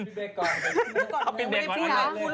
แม้บอกว่าให้ไปเล่นกันที่อื่น